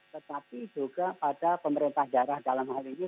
tetapi juga pada pemerintah daerah dalam hal ini